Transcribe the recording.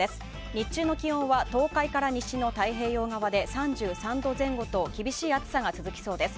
日中の気温は東海から西の太平洋側で３３度前後と厳しい暑さが続きそうです。